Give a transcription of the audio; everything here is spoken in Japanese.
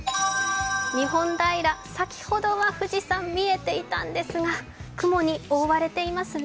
日本平、先ほどは富士山見えていたんですが、雲に覆われていますね。